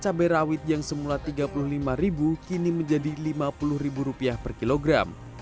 cabai rawit yang semula tiga puluh lima ribu kini menjadi lima puluh ribu rupiah per kilogram